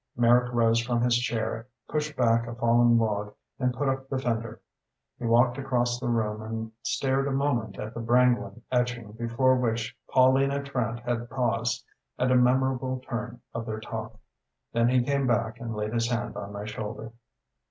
Merrick rose from his chair, pushed back a fallen log and put up the fender. He walked across the room and stared a moment at the Brangwyn etching before which Paulina Trant had paused at a memorable turn of their talk. Then he came back and laid his hand on my shoulder.